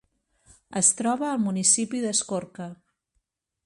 Es troba al municipi d'Escorca.